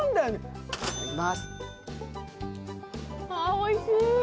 おいしい。